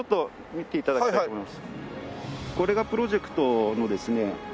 これがプロジェクトのですね